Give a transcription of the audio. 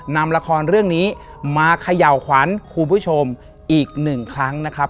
นำละครเรื่องนี้มาเขย่าขวัญคุณผู้ชมอีกหนึ่งครั้งนะครับ